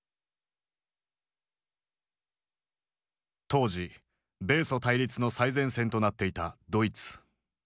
当時米ソ対立の最前線となっていたドイツ。